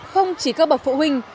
không chỉ các bậc phụ huynh